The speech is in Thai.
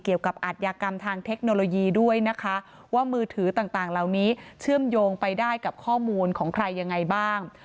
อัธยากรรมทางเทคโนโลยีด้วยนะคะว่ามือถือต่างเหล่านี้เชื่อมโยงไปได้กับข้อมูลของใครยังไงบ้าง